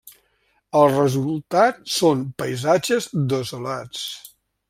El resultat són paisatges desolats.